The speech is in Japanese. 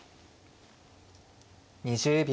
２０秒。